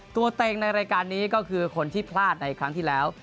ตัวเองในรายการนี้ก็คือคนที่พลาดในครั้งที่แล้ว